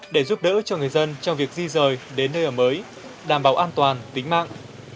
để giúp đỡ cho người dân trong việc di rời đến nơi ở mới đảm bảo an toàn tính mạng